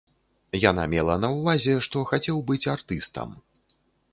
Яна мела на ўвазе, што хацеў быць артыстам.